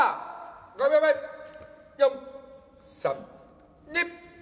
５秒前４３２。